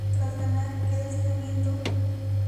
Tras ganar, queda sin aliento.